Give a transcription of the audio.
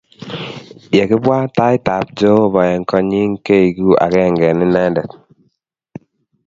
Ye kibwaa tait ab Jehovah eng kot nyi, keeku agenge eng inendet